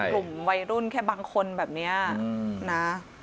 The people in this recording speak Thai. กลุ่มวัยรุ่นแค่บางคนแบบนี้นะ